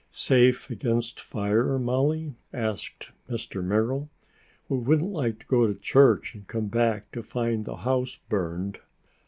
"Safe against fire, Molly?" asked Mr. Merrill. "We wouldn't like to go to church and come home to find the house burned."